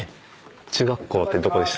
中学校ってどこでした？